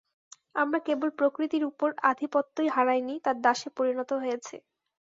আমরা কেবল প্রকৃতির ওপর আধিপত্যই হারাইনি, তার দাসে পরিণত হয়েছি।